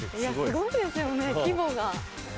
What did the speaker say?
すごいですよね規模が。